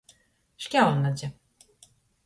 Šķaunadze.